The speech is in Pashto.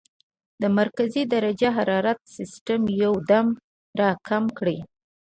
د مرکزي درجه حرارت سسټم يو دم را کم کړي -